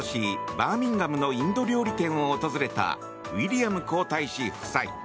バーミンガムのインド料理店を訪れたウィリアム皇太子夫妻。